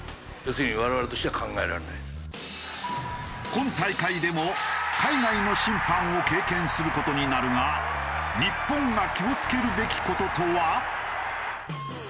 今大会でも海外の審判を経験する事になるが日本が気を付けるべき事とは？